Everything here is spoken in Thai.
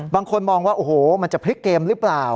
บางคนมองว่าโอ้โหมันจะพลิกเกมหรือเปล่า